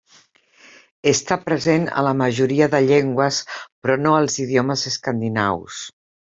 Està present a la majoria de llengües però no als idiomes escandinaus.